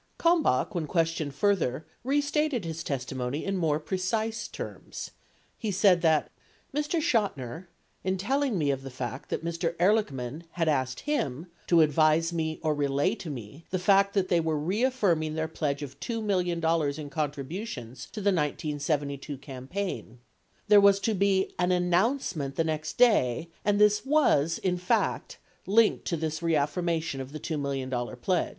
92 Kalmbach, when questioned further, restated his testimony in more precise terms ; he said : that Mr. Chotiner, in telling me of the fact that Mr. Ehrlich man had asked him to advise me or relay to me the fact that they were reaffirming their pledge of $2 million in contribu tions to the 1972 campaign There was to be an announce ment the next day and this was , in fact, linked to this reaf firmation of the $2 million pledge 93 ..